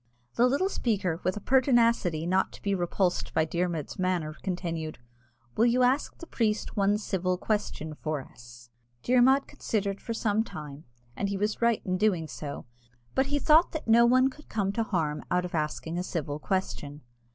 The little speaker, with a pertinacity not to be repulsed by Dermod's manner, continued, "Will you ask the priest one civil question for us?" Dermod considered for some time, and he was right in doing so, but he thought that no one could come to harm out of asking a civil question.